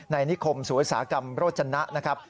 ในนิคมสุวสากรรมโรจนะนะครับ